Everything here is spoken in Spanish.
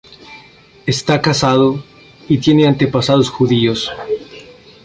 Está casado, y tiene antepasados judíos.